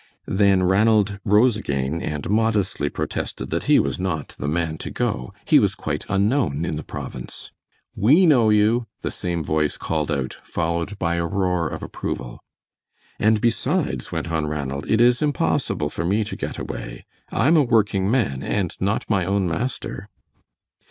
Then Ranald rose again and modestly protested that he was not the man to go. He was quite unknown in the province. "We know you!" the same voice called out, followed by a roar of approval. "And, besides," went on Ranald, "it is impossible for me to get away; I'm a working man and not my own master."